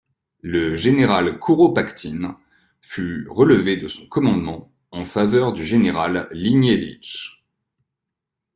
Le général Kouropatkine fut relevé de son commandement en faveur du général Liniévitch.